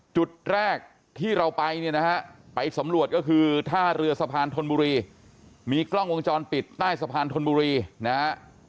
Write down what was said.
จุดแรกที่เราไปเนี่ยนะฮะไปสำรวจก็คือท่าเรือสะพานธนบุรีมีกล้องวงจรปิดใต้สะพานธนบุรีนะฮะ